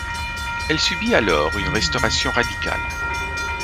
Elle subit, alors, une restauration radicale.